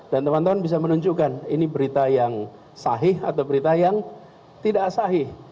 dan teman teman bisa menunjukkan ini berita yang sahih atau berita yang tidak sahih